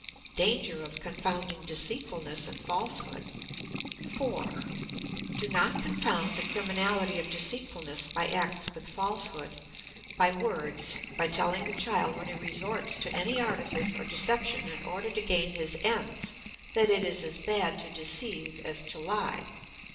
Danger of confounding Deceitfulness and Falsehood. 4. Do not confound the criminality of deceitfulness by acts with falsehood by words, by telling the child, when he resorts to any artifice or deception in order to gain his ends, that it is as bad to deceive as to lie.